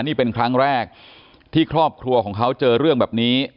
นี่เป็นครั้งแรกที่ครอบครัวของเขาเจอเรื่องแบบนี้